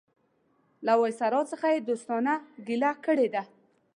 له وایسرا څخه یې دوستانه ګیله کړې ده.